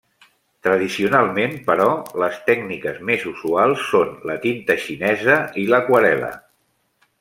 Tradicionalment, però, les tècniques més usuals són la tinta xinesa i l'aquarel·la.